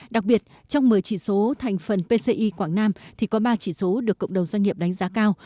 đặc biệt trong một mươi chỉ số thành phần pci quảng nam thì có ba chỉ số được cộng đồng doanh nghiệp đánh giá cao